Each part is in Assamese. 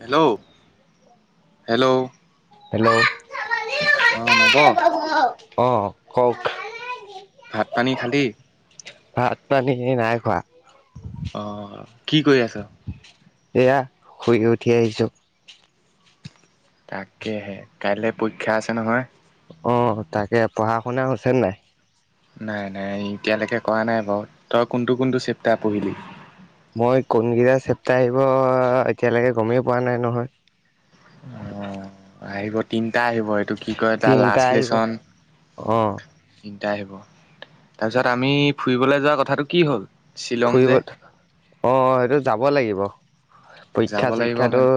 হেল্ল' হেল্ল' হেল্ল' অ নব অ কওক ভাত পানী খালি ভাত পানী নাই খোৱা অঁ কি কৰি আছ। এয়া শুই উঠি আহিছো তাকেহে কাইলৈ পৰীক্ষা আছে নহয় অ তাকে পঢ়া শুনা হৈছে নাই নাই নাই এতিয়ালৈকে কৰা নাই বাৰু তই কোনটো কোনটো চেপ্তাৰ পঢ়িলি মই কোনকেইটা চেপ্তা আহিব এতিয়ালৈকে গমেই পোৱা নাই নহয় অ আহিব তিন এয়া আহিব এইটো কি কয় তাৰ তিনিটা লাষ্ট আহিব লেচন অ এ আহিব তাৰ পিছত আমি ফুৰিবলৈ যোৱা কথাটো কি হল? শ্বিলং ফুৰিব যে আহ সেইটো যাব লাগিব যাব পৰীক্ষা লাগিব চৰীক্ষাতটো মানে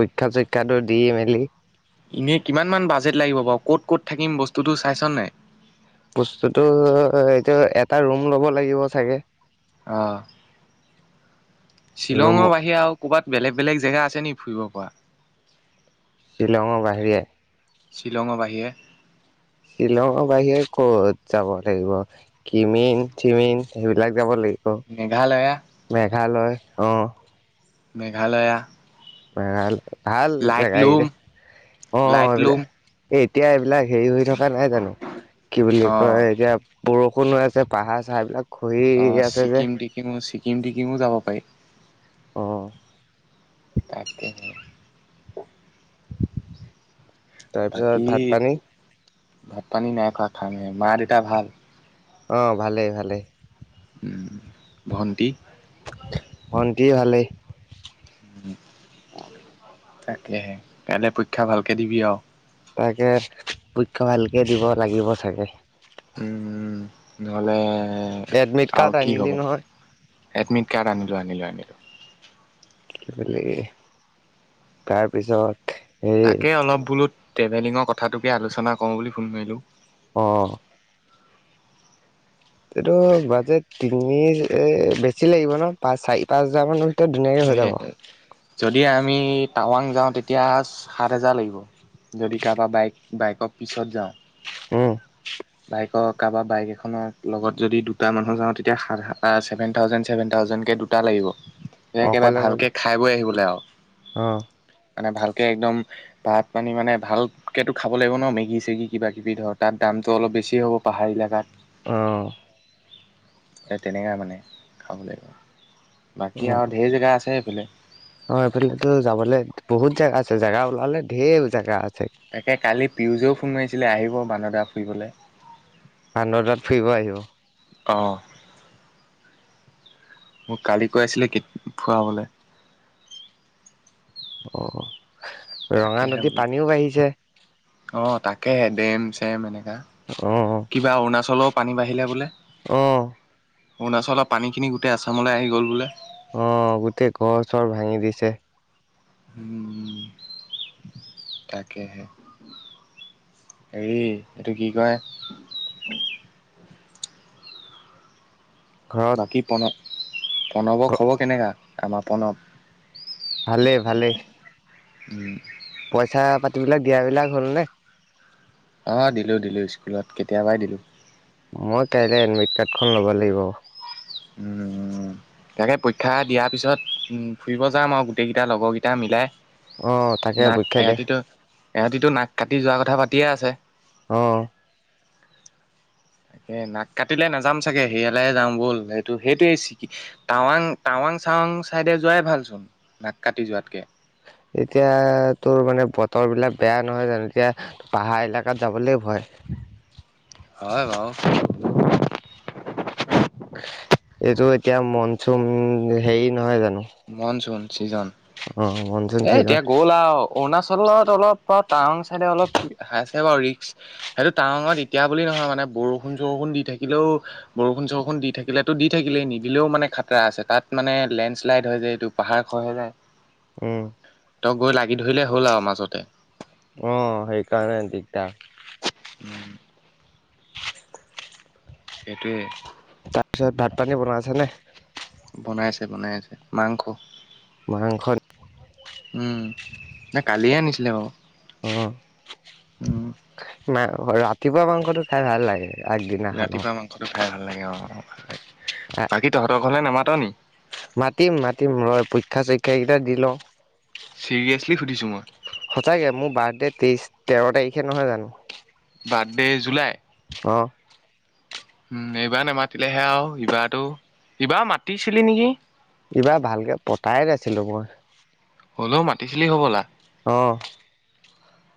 পৰীক্ষা চৰীক্ষাতটো দি মেলি। এনেই কিমান মান বাজেট লাগিব বাৰু ক'ত ক'ত থাকিম বস্তুটো চাইছ নাই? বস্তুটো এইটো এটা ৰুম ল'ব লাগিব চাগে অ ৰুম শ্বিলঙৰ বাহিৰে আৰু ক'বাত বেলেগ বেলেগ জেগা আছে নি ফুৰিব পৰা‌? শ্বিলঙৰ বাহিৰে শ্বিলঙৰ বাহিৰে শ্বিলঙৰ বাহিৰে ক'ত যাব লাগিব কিমিন চিমিন সেইবিলাক যাব লাগিব। মেঘালয়া মেঘালয় আহ, মেঘালয়া, ভাল ভাল জেগা লাইটলুম এইতিয়া অ এইবিলাক লাইটলুম এই এতিয়া এইবিলাক হেৰি হৈ থকা নাই জানো কি বুলি অ কয় এতিয়া বৰষুণো আছে পাহাৰ চাহবিলাক আহ ছিকিম টিকিমো ছিকিম টিকিমো যাব পাৰি। আহ তাকেহে, তাৰপিছত বাকী ভাত পানী ভাত পানী নাই খোৱা খাম হে মা দেউতা ভাল। অ ভালেই ভালেই, ভন্তি, ভণ্টি ভালেই। তাকেহে কাইলৈ পৰীক্ষা ভালকে দিবি আৰু তাকে পৰিক্ষা ভালকে দিব লাগিব চাগে। উম উ নহলে এডমিট আৰু কাৰ্ড কি আনিলি হব নহয় এডমিট কাৰ্ড আনিলো, আনিলো, আনিলো, কি বুলি তাৰপিছত হেৰি তাকে অলপ বোলো ট্ৰেভেলিঙৰ কথাটোকে আলোচনা কৰো বুলি ফোন মাৰিলো। উম এইটো তাকে বাজেট তিনি বেছি লাগিব ন পাঁচ চাৰি পাঁচ হাজাৰ মান স যদি আমি টাৱাং যাওঁ তেতিয়া সাত হেজাৰ লাগিব যদি কাৰোবা বাইক বাইকৰ পিছত যাওঁ হম কাৰোবা বাইক এখনৰ লগত যদি দুটা মানুহ যাওঁ তেতিয়া চেভেন থাউজেণ্ড ছেভেন থাউজেণ্ডকে, ধুনীয়াকে‌ অকলে ভালকে অকলে খাই বৈ আহিবলৈ আৰু অ মানে ভালকৈ একদম ভাত পানী মানে ভালকৈ খাব লাগিব ন মেগি চেগী কিবাকিবি ধৰক তাত দাম কামটো অলপ বেছি হ'ব পাহাৰ এলেকাত আহ তেনেকা মানে খাব লাগিব বাকী অ আৰু ধেই জেগা আছে এইফালে অ এইফালেটো যাবলে বহুত জেগা আছে জেগা ওলালে ধেৰ জেগা আছে। তাকে কালি পিউজেও ফোন মাৰিছিলে আহিব বান্দদা ফুৰিবলৈ বান্দদাত ফুৰিব আহিব। অ মোক কালি কৈ আছিলে ফুৰাবলৈ অ ৰঙা নদীত পানীও বাঢ়িছে অঁ তাকেহে ডেম চেম এনেকুৱা অ কিবা অৰুণাচলৰো পানী বাঢ়িলে বোলে আহ অৰুণাচলৰ পানী খিনি গোটেই আছামলৈ আহি গ'ল বোলে আহ গোটেই গৰ চৰ ভাঙি দিছে উমম তাকে হে হেৰি এইটো কি কয় ঘৰত বাকী প্ৰণ প্ৰণৱক খবৰ কেনেকুৱা আমাৰ প্ৰণৱ ভালে ভালে উম পইচা পাতিবিলাক দিয়া বিলাক হ'ল নে? অ দিলো দিলো স্কুলত কেতিয়াবাই দিলো মই কাইলে এডমিট কাৰ্ডখন ল'ব লাগিব উম উম তাকে পৰীক্ষা দিয়াৰ পিছত উম ফুৰিব যাম আৰু গোটেইকেইটা লগৰকেইটা মিলাই অ তাকে নাক পৰীক্ষা দিয়া এহঁতিতো এহতিটো নাক কাটি যোৱা কথা পাতিয়ে আছে অহ তাকে নাক কাটিলে নাযাম চাগে সেয়ালেহে যাওঁ বল সেইটো সেইটোৱে চিকি টাৱাং টাৱাং মাং চাং চাইডে যোৱাই ভালচোন নাক কাটি যোৱাতকে এতিয়া তোৰ মানে বতৰ বিলাক বেয়া নহয় জানো এতিয়া পাহাৰ এলেকাত যাবলৈ ভয় [inaudible] বাৰু। এইটো এতিয়া মনচুম হেৰি নহয় জানো মনচুন চিজন অ মনচুন এ চিজন এতিয়া গ'ল আৰু অৰুণাচলত অলপ টাৱাং চাইডে অলপ কি সাইচ বাৰু ৰিক্স সেইটো টাৱঙত এতিয়া বুলি নহয় মানে বৰষুণ চৰষুণ দি থাকিলেও বৰষুণ চৰষুণ দি থাকিলে তো দি থাকিলেই নিদিলেও মানে খাতৰা আছে তাত মানে লেন্স শ্লাইড হৈ যায় এইটো পাহাৰ খহি যায়। উম তক গৈ লাগি ধৰিলেই হ'ল আৰু মাজতে অ সেইকাৰণে দিগদাৰ। উম সেইটোৱে তাৰপিছত ভাত পানী বনাই আছে নে? বনাই আছে বনাই আছে মাংস মাংস নি উম! ন কালিয়ে আনিছিলে বাৰু অ উম! মা হয় ৰাতিপুৱা মাংসটো খাই ভাল লাগে। আগদিনাখনৰ ৰাতিপুৱা মাংসটো খাই ভাল লাগে অ অ। আহ মাতিম মাতিম ৰয় পৰীক্ষা চৰীক্ষা কেইটা দি লও চিৰিয়াছলি সুধিছো মই। সঁচাকে মোৰ বাৰ্থডে তেইশ তেৰ তাৰিখে নহয় জানো বাৰ্থডে জুলাই। অঁ উম এইবাৰ নোমাতিলেহে আও ইবাৰ টো ইবাৰ মাতিছিলি নেকি? ইবাৰ ভালকে পতাই নাছিলো মই। হ'লেও মাতিছিলি হ'বলা। অ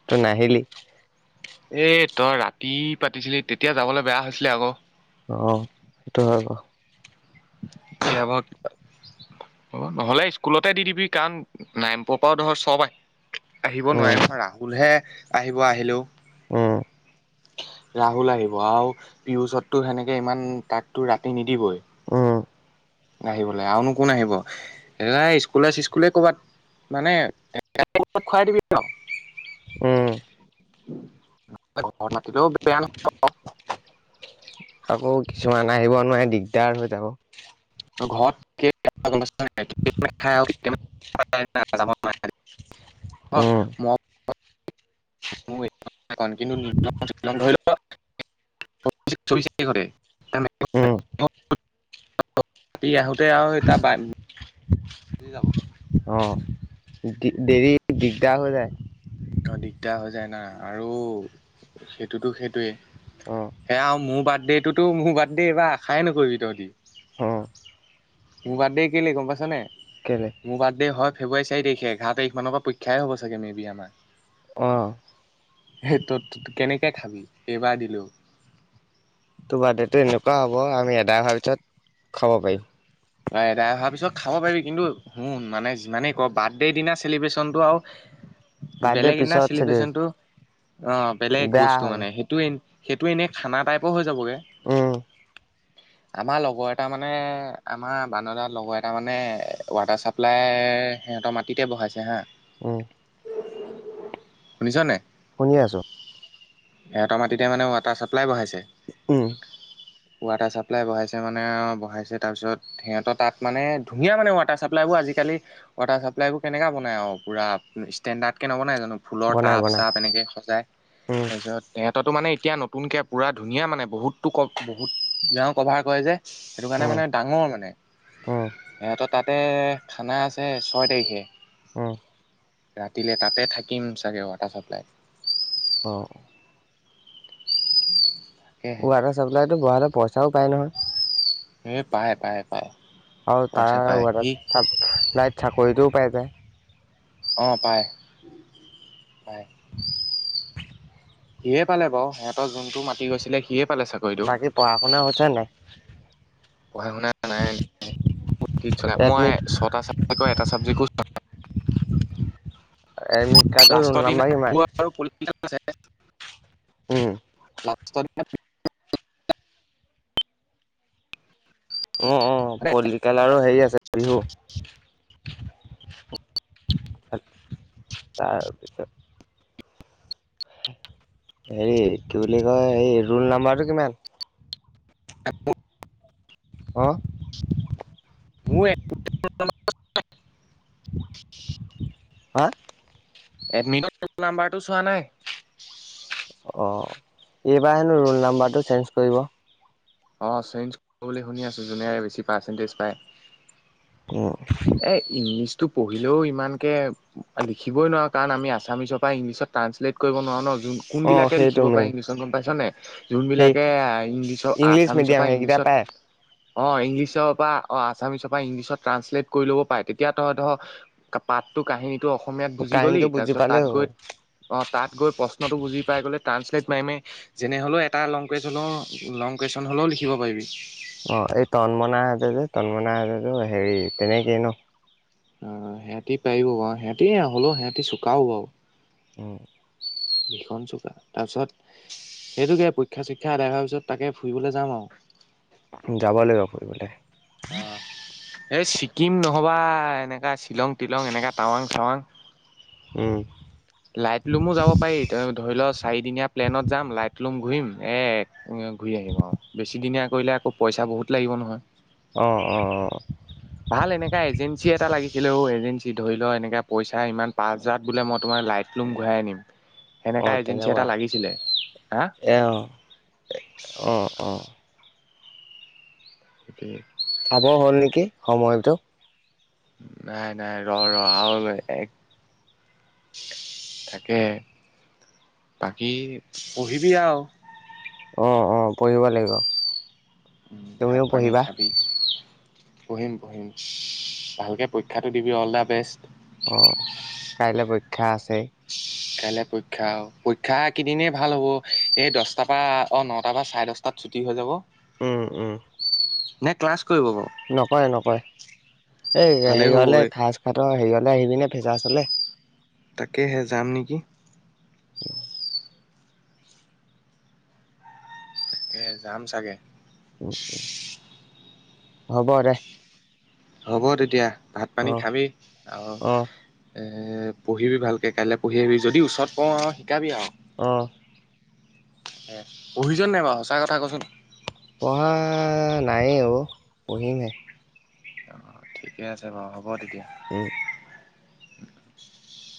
তই নাহিলি। এ তই ৰাতি পাতিছিলি তেতিয়া যাবলৈ বেয়া হৈছিলে আকৌ। আহ সেইটো হয় বাও এতিয়া বা কিবা অ নহ'লে স্কুলতে দি দিবি কাৰণ নাইন পোৱা পাও ধৰ চব আহ। আহিব নোৱাৰে উম নহয় ৰাহুলহে আহিব আহিলেও। উম, ৰাহুল আহিব আৰু পিয়ুষতো সেনেকে ইমান তাততো ৰাতি নিদিবই। উম, আহিবলৈ আৰুনো কোন আহিব এ স্কুলে চিস্কুলে কৰ'বাত মানে তপ খুৱাই দিবি ন। উম। ঘৰত মাতিলেও বেয়া ন। আকৌ কিছুমান আহিব নোৱাৰে দিগদাৰ হৈ যাব। ঘৰত [inaudible] অ উম, মই ধৰি লব [unintelligible] চ কৰে। [unintelligible] উম, ৰাতি আহোতে আৰু এতিয়া য অ দেৰি দিগদাৰ হৈ যায়। অ দিগদাৰ হৈ যায়। না আৰু সেইটোতো সেইটোৱে অ', সেয়া আৰু মোৰ বাদ সেইটোতো মোৰ বাৰ্থডে' এইবাৰ আশাই নকৰিবি অ', তহঁতি। মোৰ বাৰ্থডে কেলে গম পাইছ নাই কেলে মোৰ বাৰ্থডে হয়। ফেব্ৰাৰী চাৰিাৰিখেঘাৰ তাৰিখমানৰ পৰা পৰীক্ষাই হ'ব চাগে মে বি আমাৰ। অঁ এইেই ত কেনেকে খাবি এইবাৰ দিলেও। তো বাদটো এনেকুৱা হ'ব আমি এধায় হোৱাৰ পিছত খাব পাৰিম। অ এদাই অহাৰ পিছত খাব পাৰিবি। কিন্তু শুন মানে যিমানেই ক বাৰ্থডেৰ দিনা চেলিব্ৰেশ্যনটো আৰু। বাৰ্থডে বেলেগ এদিনা পিছত চেলিব্ৰেট চেলিব্ৰেচনটো। অ বেলেগ বেয়া বস্তু হয়। মানে সেইটো সেইটো এনেই খানা টাইপৰ হৈ যাবগে। উম, আমাৰ লগৰ এটা মানে আমাৰ বানাদাৰ লগৰ এটা মানে ৱাটাৰ ছাপ্লাইৰ সিহঁতৰ মাটিতে বহাইছে হাঁ। উম! শুনিছ নায় শুনিয়ে আছোঁ। সিহঁতৰ মাটিতে মানে ৱাটাৰ চাপ্লাই বঢ়াইছে। উম। ৱাটাৰ চাপ্লাই বহাইছে মানে অ বহাইছে তাৰপিছত সিহঁতৰ তাত মানে ধুনীয়া মানে ৱাটাৰ চাপ্লাই বোৰ আজি। আজিকালি ৱাটাৰ চাপ্লাই বোৰ কেনেককা বনাই আৰু পুৰা ষ্টেণ্ডাৰ্ড কে নবনাই জানো। ফুলৰ বনাই টাব- বনাই। চাব এনেকৈ সজায় উম, তাৰপিছত তটো মানে এতিয়া নতুনকৈ পুৰা ধুনীয়া মানে বহুতো ক বহুত গাঁওৰ কভাৰ কৰে যে। সেইটো কাৰণে উম, মানে ডাঙৰ মানে উম, সিহঁত তাতে খানা আছে ছয় তাৰিখে। উম, ৰাতিলে তাতে থাকিম চাগে ৱাটাৰ চাপ্লাই। অ [inaudible] ৱাটাৰ চাপ্লাইটো বঢ়ালে পইচাও পাই নহয়। এ পায়, পায়, পায়। আৰু তাৰ পইচা পায় সি লাইট চাকৰিটোও পাই যায়। অ পায় পায়। সিয়ে পালে বাৰু সিহঁতৰ যোনটো মাতি গৈছিলে সিয়ে পালে চাকৰিটো। বাকী পঢ়া শুনা হৈছে নাই? পঢ়া- শুনা নাই। মই ছ এ এডমিট চাবক্। এডমিট কাৰ্ডৰ ৰোল লাষ্টৰ নাম্বাৰ দিনা কিমান? ভুৱা আৰু পল আছে। উম। পলা। অ অ পললিকাল আৰু হেৰি আছে বিহু। তাৰপিছত। হে হেৰি কি বুলি কয় এই ৰোল নাম্বাৰটো কিমান? আাপোৰ। [inaudible] [unintelligible] অ মোৰ [unintelligible] হাঁ! এডমিট নাম্বাৰটো চোৱা নাই। অ এইবাৰ হেনো ৰোল নাম্বাৰটো চেঞ্জ কৰিব। অঁ চেঞ্জ কৰিব বুলি শুনি আছোঁ যোনে বেছি পাৰ্চেন্টেজ পায়। উম, এ ইংলিছ তো পঢ়িলেও ইমানকৈ লিখিবই নোৱাৰোঁ কাৰণ আমি আছামিছৰ পৰা ইংলিছত ট্ৰাঞ্চলেট কৰিব নোৱাৰো ন কোন অ', কোনবিলাকে সেইটো লিখিব পাৰে মেইন ইংলিছত গম পাইছা নাই, সেই যোনবিলাকে ইংলিছত ইংলিছ আছামিছৰ মিডিয়াম পৰা সেইকেইটা ইংলিছত পায় অ ইংলিছৰ পৰা অ আছামিছৰ পৰা ইংলিছত ট্ৰান্সলেট কৰি ল'ব পাৰে, তেতিয়া ত ধৰ পাতটো কাহিনী তই অসমীয়াত বুজি গলি, কাহিনীটো তাৰ বুজি পিছত পালেই হ'ল। তাতগৈ অঁ তাত গৈ প্ৰশ্নটো বুজি পাই বোলে ট্ৰান্সলেট পাৰিমেই, যেনে হলেও এটা লং কুৱেচনো লং কুৱেচন হ'লেও লিখিব পাৰিবি। হব হেৰি তেনেকেই ন। অ সিহঁতি পাৰিব বাৰু সিহঁতি হলেও সিহঁতি চুকাও বাৰু। উম! ভীষণ চুকা, তাৰপিছত সেইটোকে পৰীক্ষা চৰিক্ষা আদায় হোৱাৰ পিছত তাকে ফুৰিবলৈ যাম আৰু। যাব লাগিব ফুৰিবলে। আহ। এই ছিকিম নহ'বা এনেকা শ্বিলং তিলং এনেকা টাৱাং-চাৱাং। উম, লাইট লুমো যাব পাৰি, ত ধৰি লোৱা চাৰিদিনীয়া প্লেনত যাম লাইট লোং ঘূৰিম, এ ঘূৰি আহিম আৰু বেছিদিনীয়া কৰিলে আকৌ পইচা বহুত লাগিব নহয়। অ- অ- অ। ভাল এনেকা এজেঞ্চি এটা লাগিছিলে অ এজেঞ্চি ধৰি লোৱা এনেকা পইচা ইমান পাঁচ হাজাৰত বোলে মই তোমাৰ লাইফ লুং ঘূৰাই আনিম, অ', হেনেকা এজেন্সী তেনেকুৱা এটা লাগিছিলে, হা? এ অ', অ অ। সেইটোয়ে। চাব হ'ল নেকি সময়টো। নাই নাই ৰ ৰ আৰু এবাৰ এক তাকে। বাকী পঢ়িবি আও। অ অ পঢ়িব লাগিব। উম, ভাত তুমিও পানী পঢ়িবা খাবি। পঢ়িম পঢ়িম, ভালকে পৰীক্ষাটো দিবি অল দা বেষ্ট। অ', কাইলৈ পৰীক্ষা আছেই। কাইলৈ পৰীক্ষা আৰু পৰীক্ষা কেইদিনেই ভাল হ'ব, এই দছটাৰ পৰা অ নটা বা চাৰে দছটাত ছুটি হৈ যাব। উম উম। নে ক্লাছ কৰিব বাৰু নকৰে নকৰে। এই ভালেই হেৰিয়ালে হ'বগৈ সাজ খাতৰ হেৰিয়ালে আহিপিনে ভেজা আছালে। তাকেহে যাম নেকি? উম। তাকে যাম চাগে। হ'ব দে। হ'ব তেতিয়া ভাত পানী অ', খাবি, আৰু অ', এ পঢ়িবি ভালকে, কাইলৈ পঢ়ি আহিবি যদি ওচৰত পাওঁ আৰু শিকাবি আৰু। অ'। এ পঢ়িছনে নাই বাৰু সঁচা কথা কচোন? নায়ে ও, পঢ়িমহে। অ' ঠিকে আছে বাৰু। হ'ব তেতিয়া উম। [unintelligible]